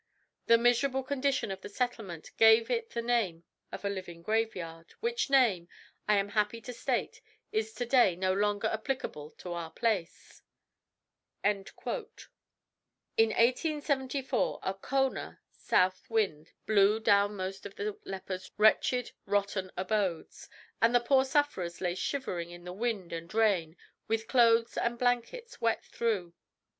The miserable condition of the settlement gave it the name of a living graveyard, which name, I am happy to state, is to day no longer applicable to our place." In 1874 a "cona" (south) wind blew down most of the lepers' wretched, rotten abodes, and the poor sufferers lay shivering in the wind and rain, with clothes and blankets wet through.